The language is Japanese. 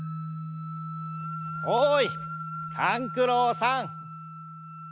おい勘九郎さん！